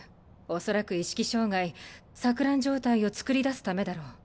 おそらく意識障害錯乱状態を作り出すためだろう。